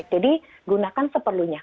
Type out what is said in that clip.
jadi gunakan seperlunya